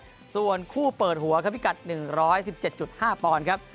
พอดีพี่กัดส่วนคู่เปิดหัวข้าพี่กัดหนึ่งร้อยสิบเจ็ดจุดห้าปอนด์ครับ